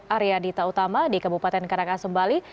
arya dita utama di kabupaten karangasem bali